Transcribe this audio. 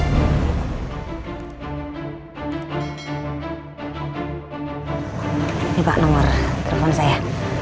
ini pak nomor telepon saya